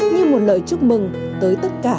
như một lời chúc mừng tới tất cả